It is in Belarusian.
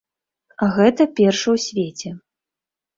Гэта першы ў свеце.